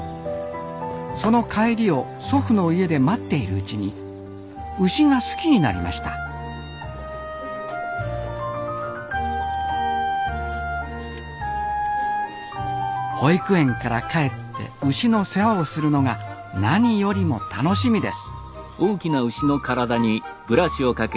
その帰りを祖父の家で待っているうちに牛が好きになりました保育園から帰って牛の世話をするのが何よりも楽しみです